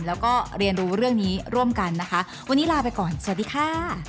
แล้วก็เรียนรู้เรื่องนี้ร่วมกันนะคะวันนี้ลาไปก่อนสวัสดีค่ะ